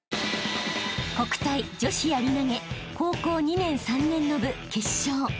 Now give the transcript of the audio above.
［国体女子やり投高校２年・３年の部決勝］